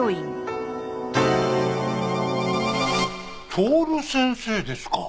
徹先生ですか？